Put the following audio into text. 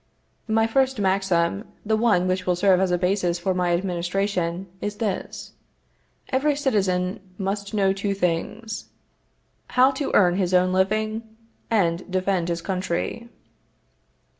My first maxim, the one which will serve as a basis for my administration, is this: Every citizen must know two things How to earn his own living, and defend his country.